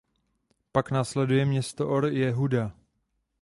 Pak následuje město Or Jehuda.